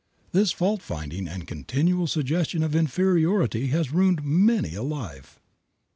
This fault finding and continual suggestion of inferiority has ruined many a life.